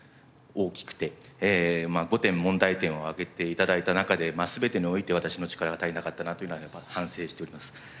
５点問題点を挙げて頂いた中で全てにおいて私の力が足りなかったなというのはやっぱり反省しております。